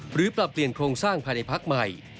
ปรับเปลี่ยนโครงสร้างภายในพักใหม่